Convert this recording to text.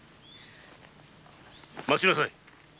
待ちなさい